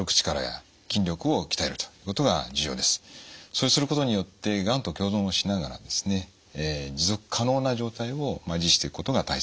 そうすることによってがんと共存をしながらですね持続可能な状態を維持していくことが大切です。